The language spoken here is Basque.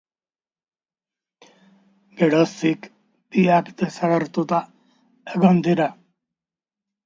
Orduz geroztik biak desagertuta egon dira.